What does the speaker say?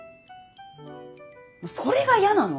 それが嫌なの！